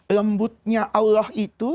lembutnya allah itu